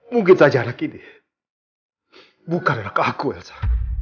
mungkin saja anak ini bukan anak aku elsa